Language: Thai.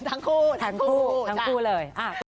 ทั้งคู่ทั้งคู่เลย